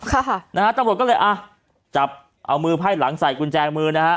ค่ะนะฮะตำรวจก็เลยอ่ะจับเอามือไพ่หลังใส่กุญแจมือนะฮะ